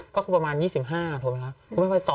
ว่าคือประมาณ๒๕โทรไหมครับต่อไหม